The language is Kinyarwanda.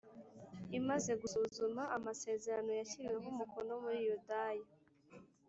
Imaze gusuzuma amasezerano yashyiriweho umukono muri yudaya